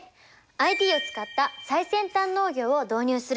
ＩＴを使った最先端農業を導入する。